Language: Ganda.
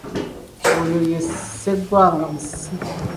Oyo ye Sseggwanga Musisi.